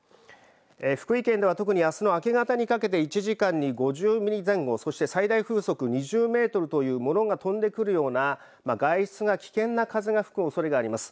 福井県では特にあすの明け方にかけて１時間に５０ミリ前後そして最大風速２０メートルという物が飛んでくるような外出が危険な風が吹くおそれがあります。